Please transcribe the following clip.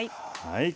はい。